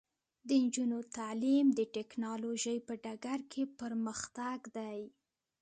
د نجونو تعلیم د ټیکنالوژۍ په ډګر کې پرمختګ دی.